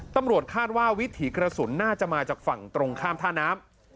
ตำรวจคาดว่าวิถีกระสุนน่าจะมาจากฝั่งตรงข้ามท่าน้ำ